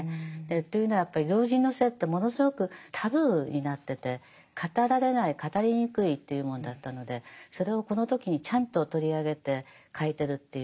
というのはやっぱり老人の性ってものすごくタブーになってて語られない語りにくいというもんだったのでそれをこの時にちゃんと取り上げて書いてるっていう。